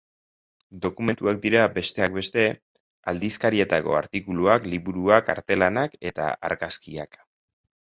Dokumentuak dira, besteak beste, aldizkarietako artikuluak, liburuak, arte-lanak eta argazkiak.